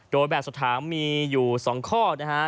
โดยแบบสถานมีอยู่๒ข้อนะฮะ